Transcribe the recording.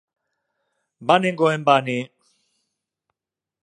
Banengoen ba ni!